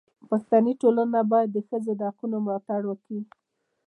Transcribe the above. پښتني ټولنه باید د ښځو د حقونو ملاتړ وکړي.